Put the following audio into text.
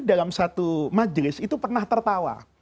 dalam satu majlis itu pernah tertawa